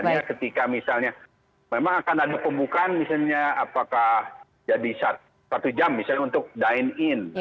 misalnya ketika misalnya memang akan ada pembukaan misalnya apakah jadi satu jam misalnya untuk dine in